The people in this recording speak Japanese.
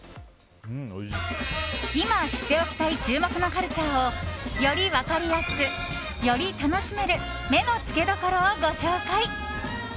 今、知っておきたい注目のカルチャーをより分かりやすく、より楽しめる目のつけどころをご紹介。